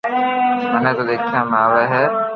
منو تو ديکيا ۾ آوي ھي